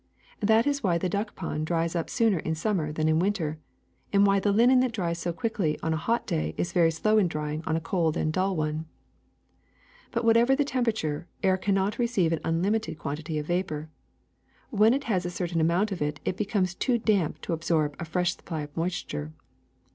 ^^That is v/hy the duck pond dries up sooner in summer than in mnter, and why the linen that dries so quickly on a hot day is very slow in drying on a cold and dull one. ^*But, whatever the temperature, air cannot re ceive an unlimited quantity of vapor. When it has a certain amount it becomes too damp to absorb a fresh supply of moisture.